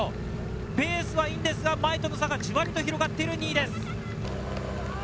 ペースはいいんですが、前との差がじわりと広がっている２位です。